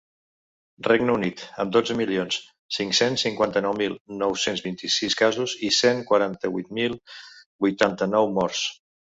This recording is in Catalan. Regne Unit, amb dotze milions cinc-cents cinquanta-nou mil nou-cents vint-i-sis casos i cent quaranta-vuit mil vuitanta-nou morts.